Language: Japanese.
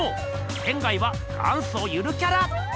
仙は元祖ゆるキャラ。